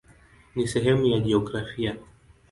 Ni sehemu ya jiografia.